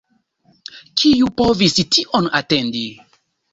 Kiu povis tion atendi!